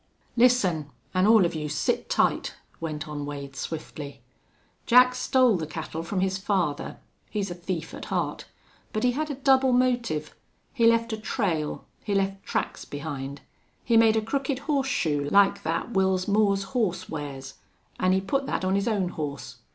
"Listen. An' all of you sit tight," went on Wade, swiftly. "Jack stole the cattle from his father. He's a thief at heart. But he had a double motive. He left a trail he left tracks behind. He made a crooked horseshoe, like that Wils Moore's horse wears, an' he put that on his own horse.